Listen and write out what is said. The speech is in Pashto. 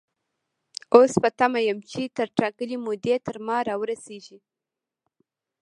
اوس په تمه يم چې تر ټاکلې مودې تر ما را ورسيږي.